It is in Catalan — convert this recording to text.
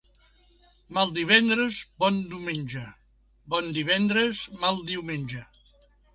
Mal divendres, bon diumenge; bon divendres, mal diumenge.